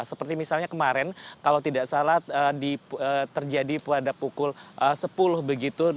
seperti misalnya kemarin kalau tidak salah terjadi pada pukul sepuluh begitu